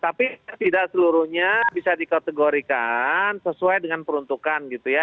tapi tidak seluruhnya bisa dikategorikan sesuai dengan peruntukan gitu ya